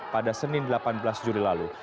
pada senin delapan belas juli lalu